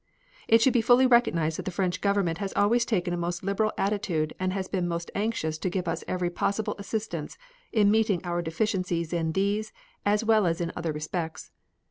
It should be fully realized that the French Government has always taken a most liberal attitude and has been most anxious to give us every possible assistance in meeting our deficiencies in these as well as in other respects.